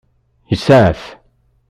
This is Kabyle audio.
Yesɛa-t.